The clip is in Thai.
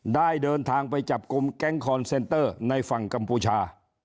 ได้เดินทางไปจับกลุ่มแก๊งคอนเซนเตอร์ในฝั่งกัมพูชา